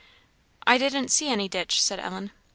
"I didn't see any ditch," said Ellen.